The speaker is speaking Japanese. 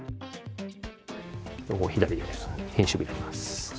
ここを左で編集部になります。